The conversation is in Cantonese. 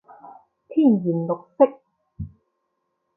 天然綠色